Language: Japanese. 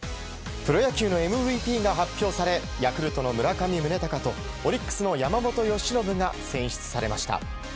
プロ野球のＭＶＰが発表されヤクルトの村上宗隆とオリックスの山本由伸が選出されました。